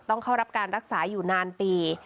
ต้องเข้ารับการรักษาอยู่นานปี